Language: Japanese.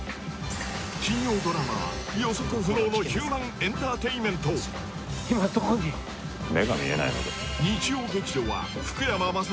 金曜ドラマは予測不能のヒューマンエンターテインメントドラマさらにＯＫ！